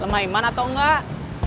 lemah iman atau enggak